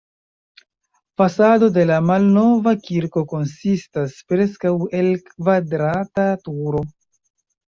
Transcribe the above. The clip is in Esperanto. Fasado de la malnova kirko konsistas preskaŭ el kvadrata turo.